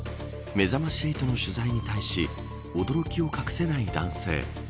めざまし８の取材に対し驚きを隠せない男性。